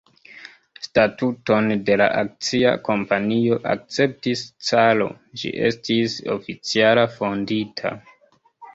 Statuton de la akcia kompanio akceptis caro; ĝi estis oficiala fondita.